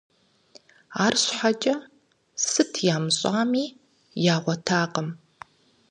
АрщхьэкӀэ, сыт ямыщӀами, ягъуэтакъым.